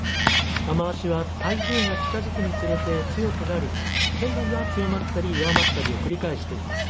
雨足は台風が近づくにつれて強くなり現在は強まったり弱まったりを繰り返しています。